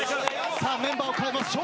メンバーを代えます笑